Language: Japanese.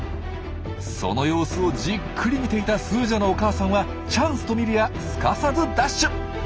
その様子をじっくり見ていたスージャのお母さんはチャンスと見るやすかさずダッシュ！